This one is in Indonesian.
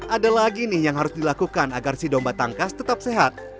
ada lagi nih yang harus dilakukan agar si domba tangkas tetap sehat